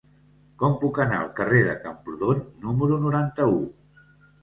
Com puc anar al carrer de Camprodon número noranta-u?